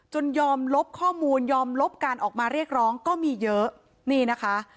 จนยอมลบข้อมูลยอมลบการออกมาเรียกร้องก็มีเยอะ